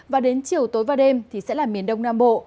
và đến chiều tối và đêm thì sẽ là miền đông nam bộ